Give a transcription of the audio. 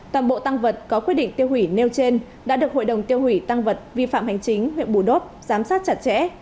toàn bộ tăng vật có quyết định tiêu hủy nêu trên đã được hội đồng tiêu hủy tăng vật vi phạm hành chính huyện bù đốc giám sát chặt chẽ